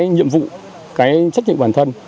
cái nhiệm vụ cái trách nhiệm bản thân